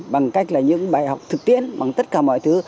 bằng cách là những bài học thực tiễn bằng tất cả mọi thứ